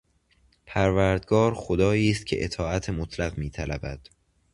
پروردگار خدایی است که اطاعت مطلق میطلبد.